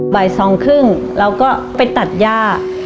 บ่าย๒๓๐แล้วก็ไปตัดย่า